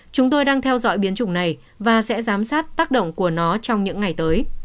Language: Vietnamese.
chúng tôi đang theo dõi biến chủng này và sẽ giám sát tác động của nó trong những ngày tới